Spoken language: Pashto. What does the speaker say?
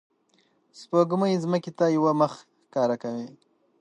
سپوږمۍ ځمکې ته یوه مخ ښکاره کوي